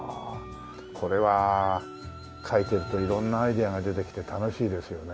これは書いてると色んなアイデアが出てきて楽しいですよね。